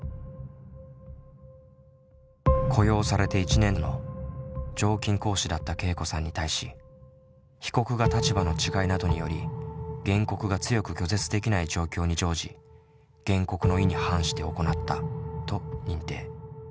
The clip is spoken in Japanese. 雇用されて１年の常勤講師だったけいこさんに対し被告が立場の違いなどにより原告が強く拒絶できない状況に乗じ原告の意に反して行ったと認定。